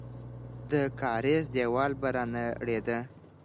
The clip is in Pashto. د کارېز دیوال به رانړېده.